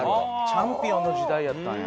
『チャンピオン』の時代やったんや。